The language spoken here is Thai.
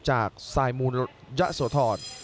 จากสายมูลยะโสธร